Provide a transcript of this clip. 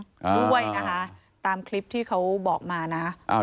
ด้วยนะคะตามคลิปที่เขาบอกมานะ